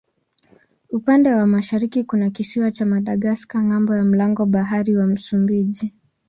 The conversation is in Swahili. Upande wa mashariki kuna kisiwa cha Madagaska ng'ambo ya mlango bahari wa Msumbiji.